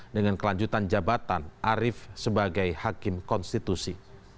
dengan kelanjutan jabatan arief sebagai hakim konstitusi